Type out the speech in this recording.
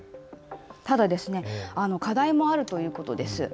ただ課題もあるということです。